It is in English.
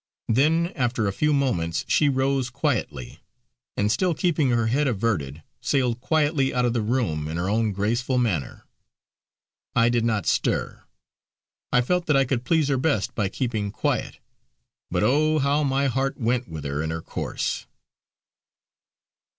Then, after a few moments she rose quietly, and, still keeping her head averted, sailed quietly out of the room in her own graceful manner. I did not stir; I felt that I could please her best by keeping quiet. But oh! how my heart went with her in her course.